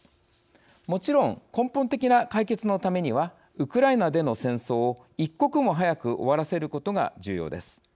もちろん根本的な解決のためにはウクライナでの戦争を一刻も早く終わらせることが重要です。